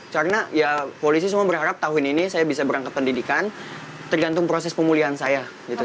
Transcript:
karena ya polisi semua berharap tahun ini saya bisa berangkat pendidikan tergantung proses pemulihan saya